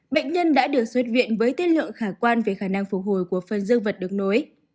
bệnh nhân đã được xuất viện với tiết lượng khả quan về khả năng phục hồi của phân dương vật được nối